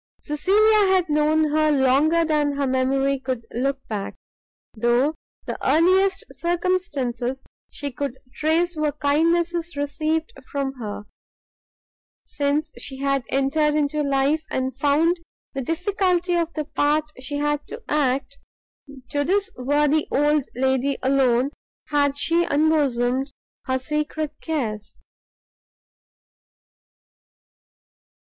Cecilia had known her longer than her memory could look back, though the earliest circumstances she could trace were kindnesses received from her. Since she had entered into life, and found the difficulty of the part she had to act, to this worthy old lady alone had she unbosomed her secret cares.